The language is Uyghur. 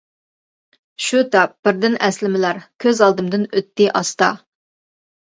شۇ تاپ بىردىن ئەسلىمىلەر، كۆز ئالدىمدىن ئۆتتى ئاستا.